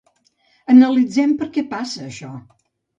Analitzem perquè passa això